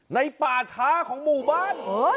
ป่าช้าของหมู่บ้าน